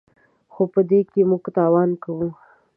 خو په دې کې موږ تاوان کوو.